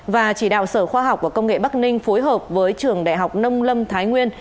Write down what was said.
và chỉ đạo sở khoa học và công nghệ bắc ninh phối hợp với trường đại học nông lâm thái nguyên